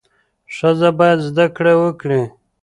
ښځه باید زده کړه وکړي.